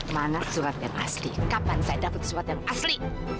manat surat yang asli kapan saya dapat surat yang asli